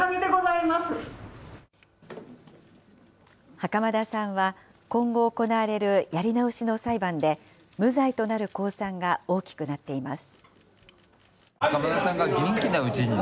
袴田さんは、今後、行われるやり直しの裁判で、無罪となる公算が大きくなっています。